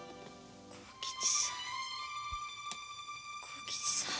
幸吉さん。